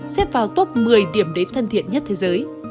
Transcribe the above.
xếp vào top một mươi điểm đến thân thiện nhất thế giới